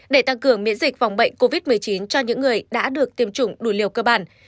để tăng cường miễn dịch phòng bệnh covid một mươi chín cho những người đã được tiêm chủng đủ liều cơ bản